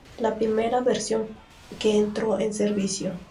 La primera versión que entró en servicio.